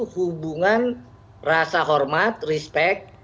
hubungan rasa hormat respect